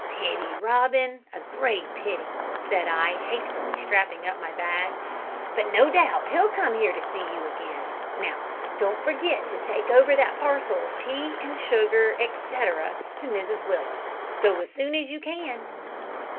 "Pity, Robin a great pity," said I, hastily strapping up my bag, "but no doubt he'll come here again to see you. Now, don't forget to take over that parcel of tea and sugar, etcetera, to Mrs Willis. Go as soon as you can."